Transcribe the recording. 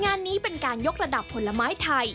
งานนี้เป็นการยกระดับผลไม้ไทย